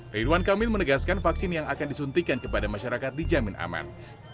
ridwan kamil menegaskan vaksin yang akan disuntikan kepada masyarakat dijamin aman